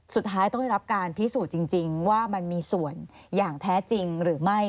สุดท้ายต้องได้รับการพิสูจน์จริงว่ามันมีส่วนอย่างแท้จริงหรือไม่